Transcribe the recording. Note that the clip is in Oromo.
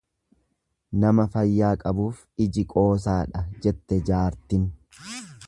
"""Nama fayyaa qabuuf iji qoosaadha"" jette jaartin."